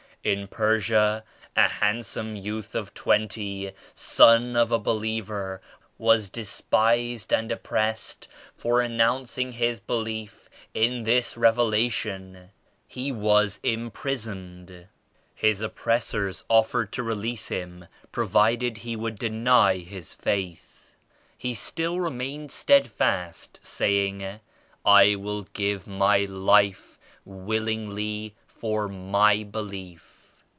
In Persia a handsome youth of twenty, son of a believer was despised and op pressed for announcing his belief in this Revela tion. He was imprisoned. His oppressors offered to release him provided he would deny his faith. He still remained steadfast, saying *I will give my life willingly for my belief.'